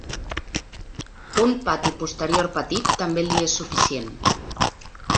Un pati posterior petit també li és suficient.